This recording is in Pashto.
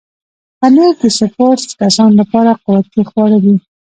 پنېر د سپورټس کسانو لپاره قوتي خواړه دي.